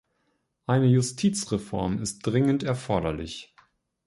Eine Justizreform ist dringend erforderlich.